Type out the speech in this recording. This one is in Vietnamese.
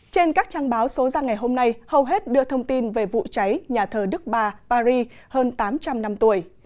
trên các trang báo số ra ngày hôm nay hầu hết đưa thông tin về vụ cháy nhà thờ đức bà paris hơn tám trăm linh năm tuổi